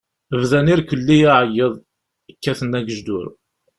Bdan irkelli aεeggeḍ, kkaten agejdur.